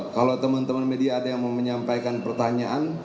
kalau teman teman media ada yang mau menyampaikan pertanyaan